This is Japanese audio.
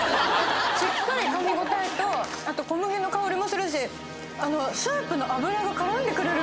しっかりかみ応えとあと小麦の香りもするしシャープな油が絡んでくれる！